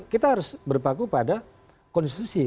kita harus berpaku pada konstitusi